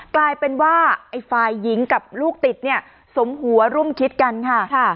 กลายเป็นว่าไอ้ฝ่ายหญิงกับลูกติดเนี่ยสมหัวร่วมคิดกันค่ะ